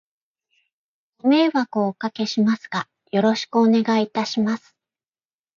ご迷惑をお掛けしますが、よろしくお願いいたします。